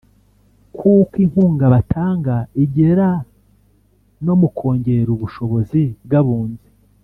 kuko inkunga batanga igera no mukongera ubushobozi bw’abunzi